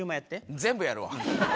全部やるわ。